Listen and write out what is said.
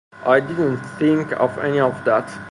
I didn't think of any of that.